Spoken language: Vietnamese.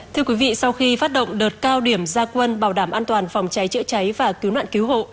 thưa quý vị sau khi phát động đợt cao điểm gia quân bảo đảm an toàn phòng cháy chữa cháy và cứu nạn cứu hộ